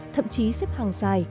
thậm chí xếp hàng dài